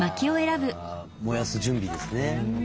あ燃やす準備ですね。